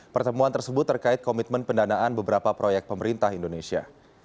pertemuan tersebut terkait komitmen pendanaan beberapa proyek pemerintah indonesia